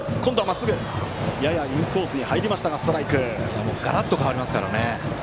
ややインコースにまっすぐが入りましたがガラッと変わりますからね。